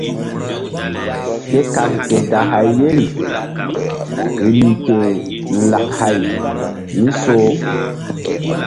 Ke kal ke gay hay ye ri rih ke lak hay mi soh.